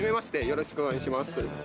よろしくお願いします。